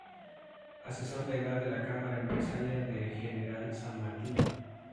Asesor Legal de la Cámara Empresaria de General San Martín.